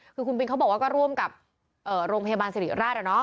คือคุณบินเขาบอกว่าก็ร่วมกับโรงพยาบาลสิริราช